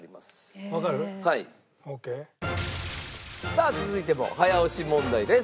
さあ続いても早押し問題です。